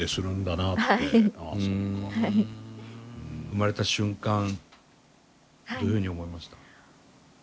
生まれた瞬間どういうふうに思いました？